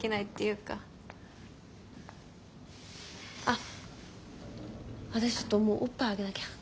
あっ私ちょっともうおっぱいあげなきゃ。